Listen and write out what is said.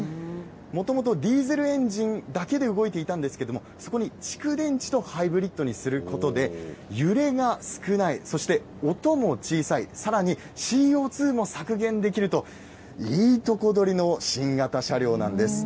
もともとディーゼルエンジンだけで動いていたんですけれども、そこに蓄電池とハイブリッドにすることで、揺れが少ない、そして音も小さい、さらにＣＯ２も削減できると、いいとこ取りの新型車両なんです。